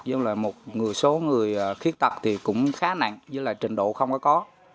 giống như là một số người khuyết tật thì cũng khá nặng giống như là trình độ không có có